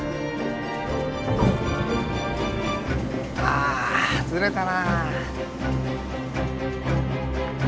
ああずれたなぁ。